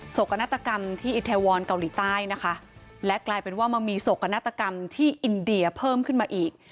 โศกนัตรกรรมที่อินเทวอลเกาหลีใต้และกลายเป็นว่ามีโศกนัตรกรรมที่อินเดียเพิ่มขึ้นมาอีก